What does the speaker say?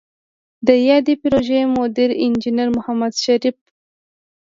د یادې پروژې مدیر انجنیر محمد شریف